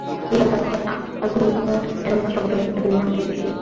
রিহ্যাবে থাকাকালীন সময়ে অ্যালকোহলিক্স অ্যানোনিমাস সংগঠনের একজন মেয়ে আমাকে দেখতে এসেছিল।